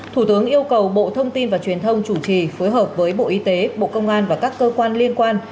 thủ tướng yêu cầu bộ thông tin và truyền thông chủ trì phối hợp với bộ y tế bộ công an và các cơ quan liên quan